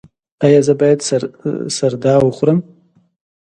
ایا زه باید سردا وخورم؟